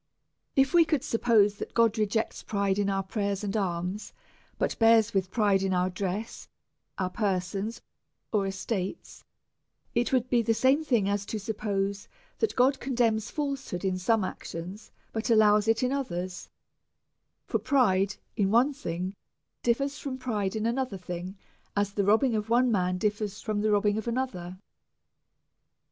If we could suppose that God rejects pride in our prayers and alms, but Ijears with pride in our dress, our persons, or estates, it would be the same thing as to suppose that God condemns falshood in some ac tions, but allows it in others ; for pride in one thing differs from pride in another thing, as the robbing of one man differs from the robbing of another.